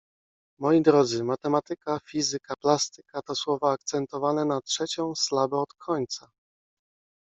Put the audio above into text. Moi drodzy: Matematyka, fizyka, plastyka to słowa akcentowane na trzecią sylabę od końca.